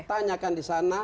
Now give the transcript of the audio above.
tanyakan di sana